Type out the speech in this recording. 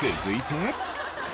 続いて。